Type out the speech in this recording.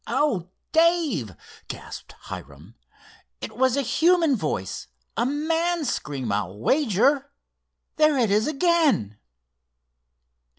"Oh, Dave!" gasped Hiram, "it was a human voice! A man's scream, I'll wager! There it is again!"